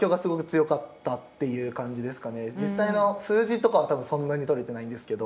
実際の数字とかは多分そんなに取れてないんですけど。